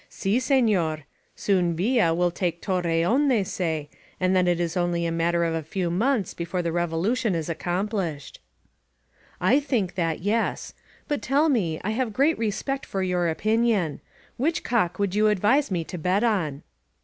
^ *^Si, scncyr. Soon Villa will take Torremiy they say, and then it is aotj a matter of a few months before the Rerohition is accompHshed." ^ think that, yes. But tdl me; I haire great re spect for your opinion. Whidi cock would yon advise me to bet on?